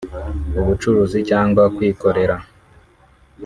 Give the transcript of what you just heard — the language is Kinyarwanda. ubucuruzi cyangwa kwikorera